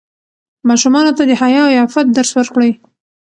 ماشومانو ته د حیا او عفت درس ورکړئ.